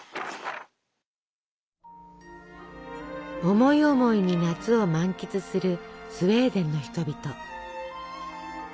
思い思いに夏を満喫するスウェーデンの人々。